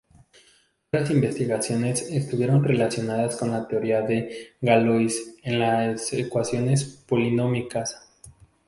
Otras investigaciones estuvieron relacionadas con la teoría de Galois en las ecuaciones polinómicas.